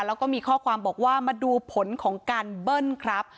แล้วก็มีข้อความบอกว่ามาดูผลของการเบิ้ลครับ